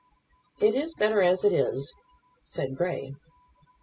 "It is better as it is," said Grey.